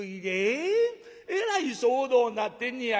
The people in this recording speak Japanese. えらい騒動になってんねや。